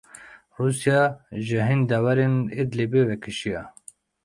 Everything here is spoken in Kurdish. Rûsya ji hin deverên Idlibê vekişiya.